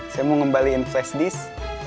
saya mau ngembaliin flash disk